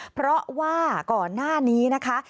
เพราะว่าก่อนหน้านี้นะคะ